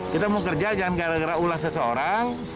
kita mau kerja jangan gara gara ulas seseorang